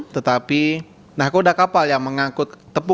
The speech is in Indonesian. tetapi nahkoda kapal yang mengangkut tepung